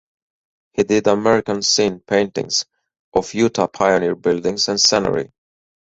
He did American Scene paintings of Utah pioneer buildings and scenery.